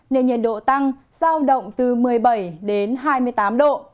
nên nhiệt độ tăng giao động từ một mươi bảy đến hai mươi tám độ